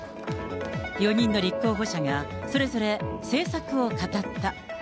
４人の立候補者がそれぞれ政策を語った。